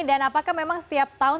dan apakah memang setiap tahun